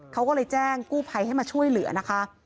เขาก็เลยแจ้งกู้ภัยให้มาช่วยเหลือนะคะ